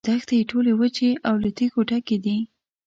دښتې یې ټولې وچې او له تیږو ډکې دي.